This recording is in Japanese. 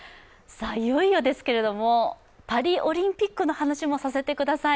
いよいよですけれども、パリオリンピックの話もさせてください。